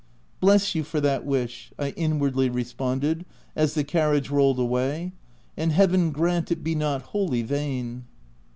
"" Bless you for that wish !" I inwardly re sponded as the carriage rolled away — "and Heaven grant it be not wholly vain